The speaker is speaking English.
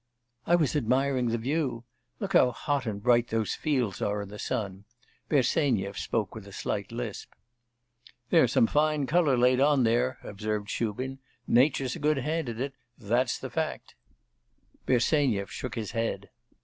'I was admiring the view. Look how hot and bright those fields are in the sun.' Bersenyev spoke with a slight lisp. 'There's some fine colour laid on there,' observed Shubin. 'Nature's a good hand at it, that's the fact!' Bersenyev shook his head.